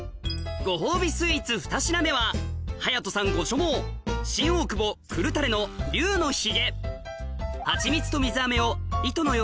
ご褒美スイーツ２品目は隼人さんご所望新大久保いただきます。